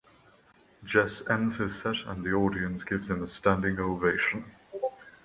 Jess ends his set and the audience gives him a standing ovation.